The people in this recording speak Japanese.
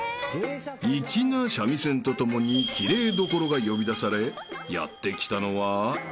［粋な三味線と共に奇麗どころが呼び出されやって来たのは］